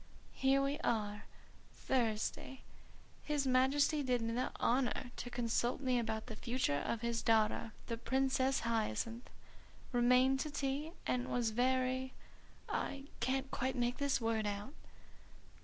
"Here we are! 'Thursday. His Majesty did me the honour to consult me about the future of his daughter, the Princess Hyacinth. Remained to tea and was very ' I can't quite make this word out."